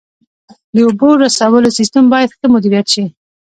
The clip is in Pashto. د اوبو رسولو سیستم باید ښه مدیریت شي.